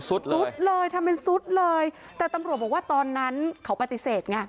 ซุดเลยทำเป็นซุดเลยแต่ตำรวจบอกว่าตอนนั้นเขาปฏิเสธไง